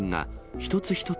一つ一つ